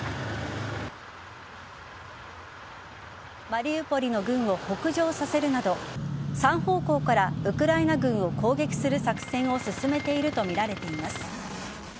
マリウポリの軍を北上させるなど３方向からウクライナ軍を攻撃する作戦を進めているとみられています。